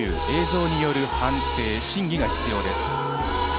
映像による判定、審議が必要です。